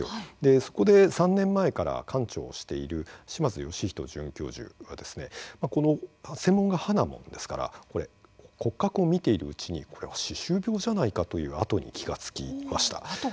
そこで３年前から館長をしている島津徳人准教授が専門が歯なものですから骨格を見ているうちに歯周病じゃないかという痕に気が付きました。